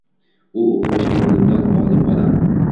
U o’qimishli, bilmdon, olim odam.